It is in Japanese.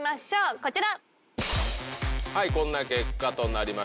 こんな結果となりました。